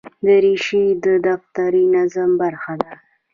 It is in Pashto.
دریشي د دفتري نظم برخه ده.